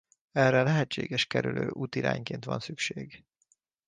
Erre lehetséges kerülő útirányként van szükség.